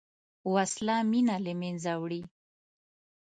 وسله مینه له منځه وړي